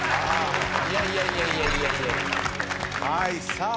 さあ